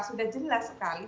sudah jelas sekali